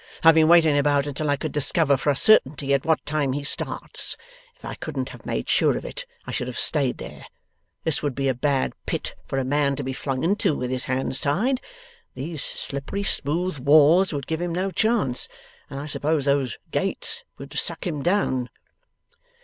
I have been waiting about, until I could discover, for a certainty, at what time he starts; if I couldn't have made sure of it, I should have stayed there. This would be a bad pit for a man to be flung into with his hands tied. These slippery smooth walls would give him no chance. And I suppose those gates would suck him down?